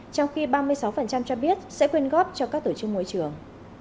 trong khi ba mươi sáu cho biết sẽ quyên góp cho các tổ chức môi trường